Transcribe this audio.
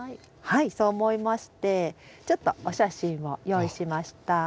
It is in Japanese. はいそう思いましてちょっとお写真を用意しました。